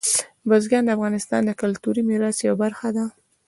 بزګان د افغانستان د کلتوري میراث یوه برخه ده.